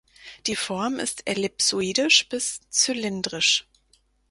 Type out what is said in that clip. Die Form ist ellipsoidisch bis zylindrisch.